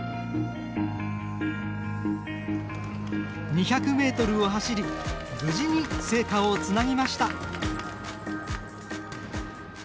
２００ｍを走り無事に聖火をつなぎました。